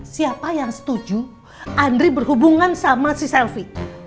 siapa yang setuju andri berhubungan sama si selfie